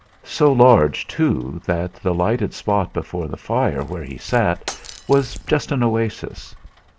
So large, too, that the lighted spot before the fire where he sat was just an oasis.